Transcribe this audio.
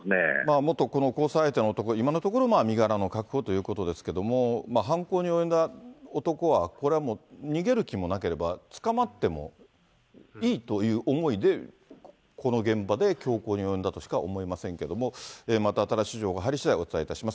元この交際相手の男、今のところ、身柄の確保ということですけれども、犯行に及んだ男はこれはもう逃げる気もなければ、捕まってもいいという思いで、この現場で凶行に及んだとしか思えませんけれども、また新しい情報入りしだい、お伝えいたします。